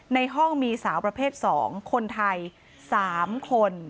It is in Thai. ในห้องมีสาวประเภท๒คนไทย๓คน